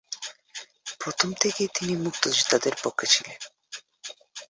প্রথম থেকেই তিনি মুক্তিযোদ্ধাদের পক্ষে ছিলেন।